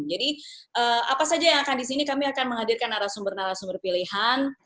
apa saja yang akan di sini kami akan menghadirkan narasumber narasumber pilihan